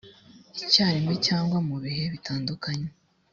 icyarimwe cyangwa mu bihe bitandukanye